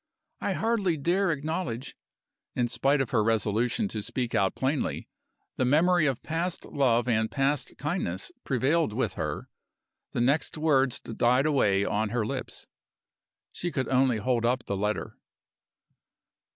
I hardly dare acknowledge " In spite of her resolution to speak out plainly, the memory of past love and past kindness prevailed with her; the next words died away on her lips. She could only hold up the letter.